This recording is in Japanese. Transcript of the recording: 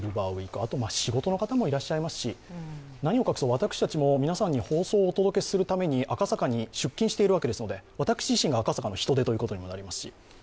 あと仕事の方もいらっしゃいますし、何を隠そう私たちも皆さんに放送をお届けするために赤坂に出勤しているわけですので、私自身も赤坂の人出です。